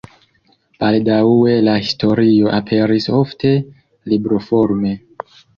Baldaŭe la historio aperis ofte libroforme.